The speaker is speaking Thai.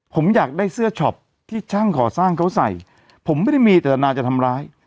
ผมอยากได้เสื้อช็อปที่ช่างก่อสร้างเขาใส่ผมไม่ได้มีเจตนาจะทำร้าย